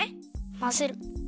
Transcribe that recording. まぜる。